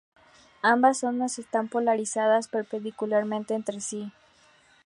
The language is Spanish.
Ambas ondas están polarizadas perpendicularmente entre sí.